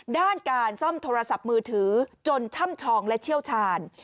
ด้านการซ่อมโทรศัพท์มือถือจนช่ำชองและเชี่ยวชาญ